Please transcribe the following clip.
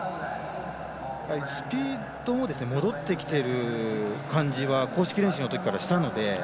スピードも戻ってきている感じは公式練習のときからしたので。